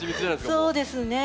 そうですね。